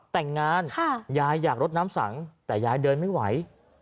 แต่งงานยายอยากรดน้ำสังแต่ยายเดินไม่ไหว